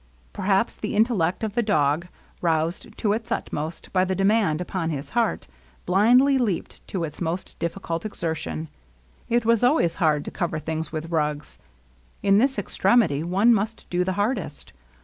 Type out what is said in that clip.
Perhaps the intellect of the dog, roused to its ut most by the demand upon his heart, blindly leaped to its most difficult exertion. It was always hard to cover things with rugs. In this extremity one must do the hardest.